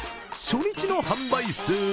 初日の販売数